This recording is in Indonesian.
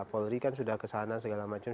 polri kan sudah kesana segala macam